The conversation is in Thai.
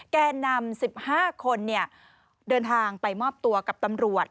แก่นำ๑๕คนเดินทางไปมอบตัวกับตำรวจ